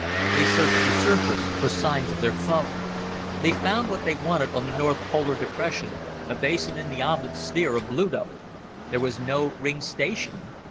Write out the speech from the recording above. They searched the surface for signs of their foe. They found what they wanted on the north polar depression, a basin in the oblate sphere of Pluto. There was no ringed station.